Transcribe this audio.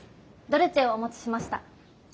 ドルチェをお持ちしました。